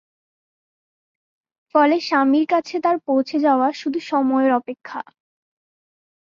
ফলে স্বামীর কাছে তার পৌঁছে যাওয়া শুধু সময়ের অপেক্ষা।